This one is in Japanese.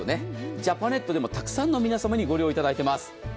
ジャパネットでも沢山の皆様に、これをご利用いただいています。